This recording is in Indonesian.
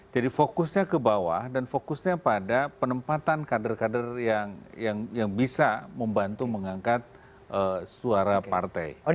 jadi fokusnya ke bawah dan fokusnya pada penempatan kader kader yang bisa membantu mengangkat suara partai